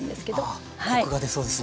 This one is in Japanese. あコクが出そうですね。